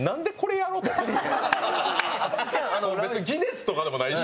別にギネスとかでもないし。